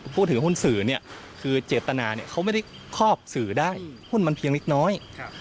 ผู้ถือหุ้นสื่อเนี่ยคือเจตนาเขาไม่ได้ครอบสื่อได้หุ้นมันเพียงเล็กน้อย